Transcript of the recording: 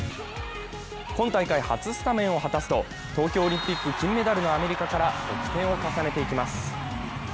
今大会初スタメンを果たすと、東京オリンピック金メダルのアメリカから得点を重ねていきます。